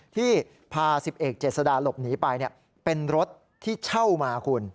ที่พา๑๐เอกเจษดาหลบหนีไปเป็นรถที่เช่ามาคุณ